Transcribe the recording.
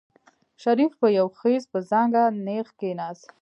شريف په يو خېز په څانګه نېغ کېناست.